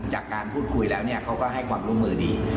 จากการพูดคุยแล้วเนี่ยเขาก็ให้ความร่วมมือดี